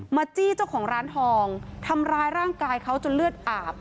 จี้เจ้าของร้านทองทำร้ายร่างกายเขาจนเลือดอาบ